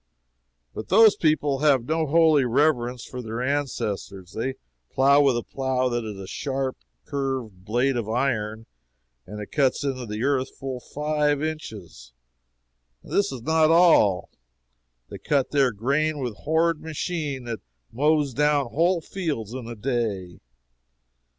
But those people have no holy reverence for their ancestors. They plow with a plow that is a sharp, curved blade of iron, and it cuts into the earth full five inches. And this is not all. They cut their grain with a horrid machine that mows down whole fields in a day.